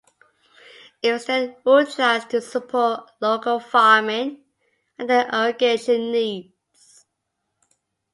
It was then utilised to support local farming and their irrigation needs.